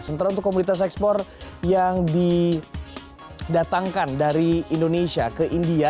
sementara untuk komunitas ekspor yang didatangkan dari indonesia ke india